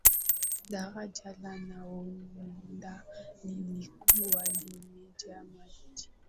daraja la nahodha lilikuwa limejaa maji